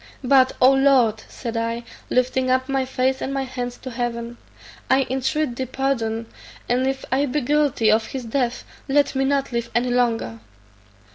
But, O Lord!" said I, lifting up my face and my hands to heaven, "I intreat thy pardon, and if I be guilty of his death, let me not live any longer."